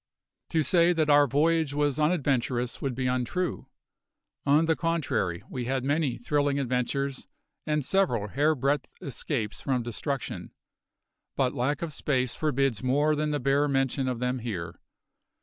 To say that our voyage was unadventurous would be untrue; on the contrary, we had many thrilling adventures and several hair breadth escapes from destruction, but lack of space forbids more than the bare mention of them here.